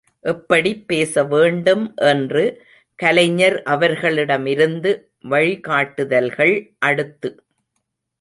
எப்படிப் பேச வேண்டும் என்று கலைஞர் அவர்களிடமிருந்து வழிகாட்டுதல்கள் அடுத்து!